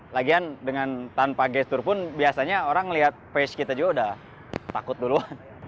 lagian dengan tanpa gestur pun biasanya orang ngeliat page kita juga udah takut duluan